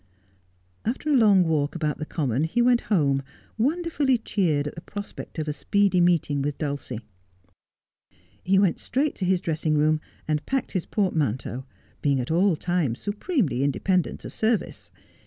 After a long walk about the common he went home, wonder fully cheered at the prospect of a speedy meeting with Dulcie. He went straight to his dressing room, and packed his portman teau, being at all times supremely independent of service.